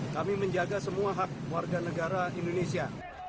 kami menjaga semua hak warga negara indonesia